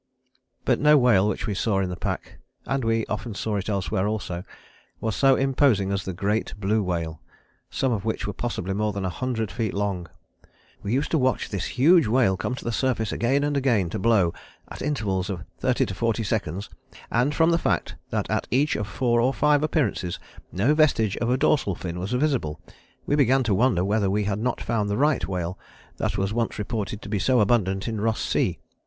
" But no whale which we saw in the pack, and we often saw it elsewhere also, was so imposing as the great Blue whale, some of which were possibly more than 100 feet long. "We used to watch this huge whale come to the surface again and again to blow, at intervals of thirty to forty seconds, and from the fact that at each of four or five appearances no vestige of a dorsal fin was visible, we began to wonder whether we had not found the Right whale that was once reported to be so abundant in Ross Sea.